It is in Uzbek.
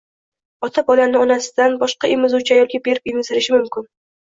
Ota bolani onasidan boshqa emizuvchi ayolga berib emizdirishi mumkin.